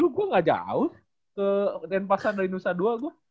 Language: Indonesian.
lu gue gak jauh ke denpasar dari nusa dua gue